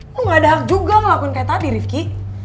lo gak ada hak juga ngelakuin kayak tadi rifqi